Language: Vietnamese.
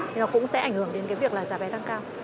thì nó cũng sẽ ảnh hưởng đến cái việc là giá vé tăng cao